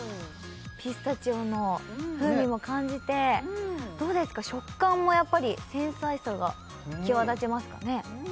ピスタチオの風味も感じてどうですか食感もやっぱり繊細さが際立ちますかね